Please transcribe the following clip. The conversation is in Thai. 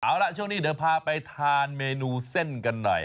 เอาล่ะช่วงนี้เดี๋ยวพาไปทานเมนูเส้นกันหน่อย